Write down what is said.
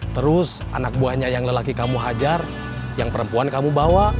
terus anak buahnya yang lelaki kamu hajar yang perempuan kamu bawa